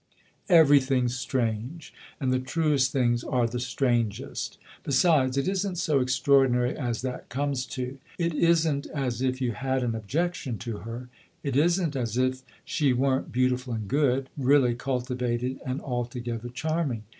" Everything's strange and the truest things are the strangest. Besides, it isn't so extraordinary as that comes to. It isn't as if you had an objection to her ; it isn't as if she weren't beautiful and good really cultivated and altogether charming.